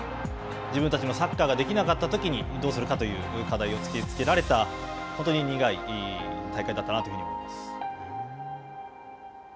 自分たちのサッカーができなかったときにどうするかという課題を突きつけられた、本当に苦い大会だったなというふうに思います。